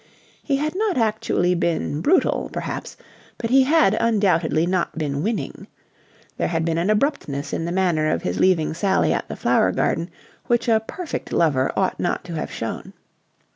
He had not actually been brutal, perhaps, but he had undoubtedly not been winning. There had been an abruptness in the manner of his leaving Sally at the Flower Garden which a perfect lover ought not to have shown.